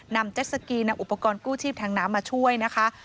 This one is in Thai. เจ็ดสกีนำอุปกรณ์กู้ชีพทางน้ำมาช่วยนะคะ